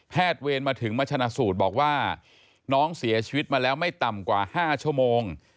เวรมาถึงมาชนะสูตรบอกว่าน้องเสียชีวิตมาแล้วไม่ต่ำกว่า๕ชั่วโมง